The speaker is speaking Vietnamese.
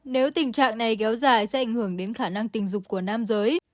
nếu tình trạng này kéo dài sẽ ảnh hưởng đến khả năng tình dục của nam giới